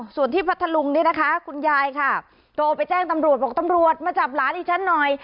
ส่วนที่พัทธลุงคุณยายโตไปแจ้งตำรวจบอกตำรวจมาจับร้านอีกชั้นหน่อย